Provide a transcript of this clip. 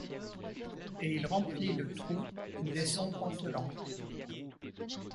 Et il remplit le trou, nous laissant pantelants.